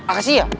ah ke si ya